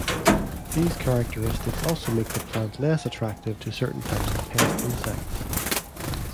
These characteristics also make the plant less attractive to certain types of pest insects.